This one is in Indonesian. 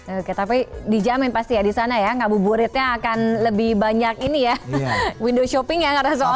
oke tapi dijamin pasti ya di sana ya ngabuburitnya akan lebih banyak ini ya window shopping ya karena soal